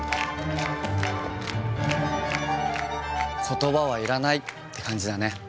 言葉はいらないって感じだね。